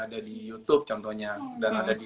ada di youtube contohnya dan ada di